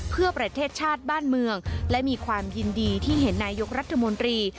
เพื่อประเทศชาติบ้านเมืองและมีความยินดีที่เห็นนายกรัฐมนตรี